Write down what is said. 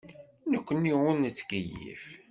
Nekkni ur nettkeyyif.